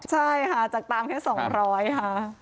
ใช่ค่ะจากตามแค่สองร้อยค่ะ